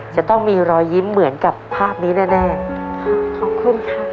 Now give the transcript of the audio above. จะต้องมีรอยยิ้มเหมือนกับภาพนี้แน่แน่ค่ะขอบคุณค่ะ